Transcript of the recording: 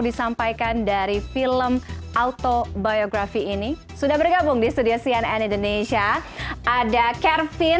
disampaikan dari film autobiografi ini sudah bergabung di studio cnn indonesia ada kervin